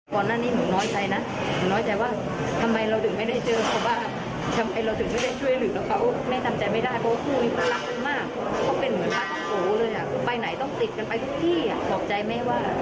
ก่อนหน้านี้หนูน้อยใจนะ